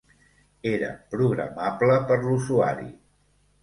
Era programable per l'usuari.